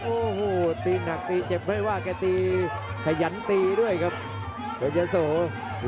โอ้โหตีหนักตีเจ็บไม่ว่าแกตีขยันตีด้วยครับเพชรยะโส